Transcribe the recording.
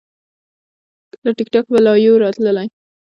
له ټیک ټاک به لایو راتللی